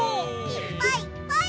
いっぱいいっぱい！